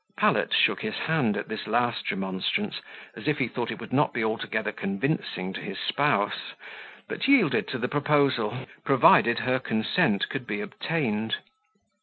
Pallet shook his hand at this last remonstrance, as if he thought it would not be altogether convincing to his spouse, but yielded to the proposal, provided her consent could be obtained.